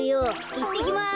いってきます。